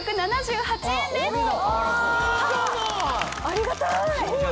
ありがたい！